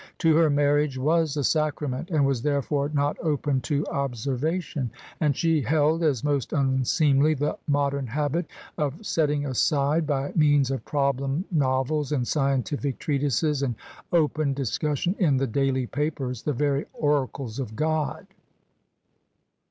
To her, marriage was a sacrament, and was therefore not open to observation : and she held as most unseemly the modem habit of setting aside, by means of problem novels and scientific treatises and open discussion in the daily papers, the very oracles of God.